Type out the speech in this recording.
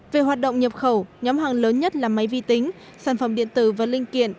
về hoạt động nhập khẩu nhóm hàng lớn nhất là máy vi tính sản phẩm điện tử và linh kiện